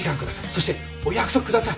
そしてお約束ください。